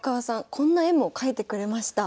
こんな絵も描いてくれました。